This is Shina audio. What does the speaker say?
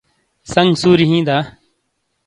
سنگ سوری ہِیں دا؟